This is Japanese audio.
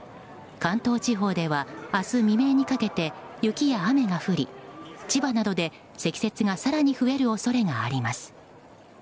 関東地用では明日未明にかけて雪が雨が降り千葉などで、積雪が更に増える恐れがあります。